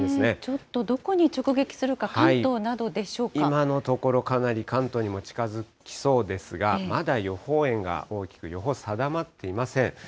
ちょっとどこに直撃するのか、今のところ、かなり関東にも近づきそうですが、まだ予報円が大きく、予報定まっていません。